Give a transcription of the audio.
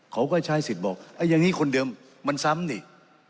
เขาก็ใช้สิทธิ์บอกอย่างนี้คนเดิมมันซ้ำนี่